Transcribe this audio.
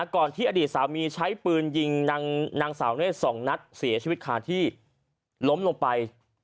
ก่อนที่อดีตสามีใช้ปืนยิงนางสาวเนธ๒นัดเสียชีวิตคาที่ล้มลงไป